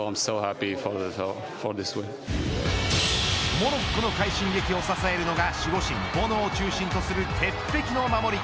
モロッコの快進撃を支えるのが守護神ボノを中心とする鉄壁の守り。